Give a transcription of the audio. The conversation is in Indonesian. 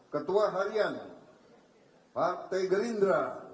ketua harian pak t gerindra